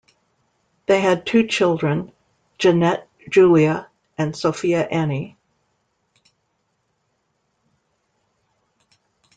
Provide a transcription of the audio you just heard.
They had two children: Jeanette Julia and Sophia Annie.